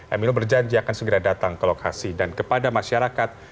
emil berjanji akan segera datang ke lokasi dan kepada masyarakat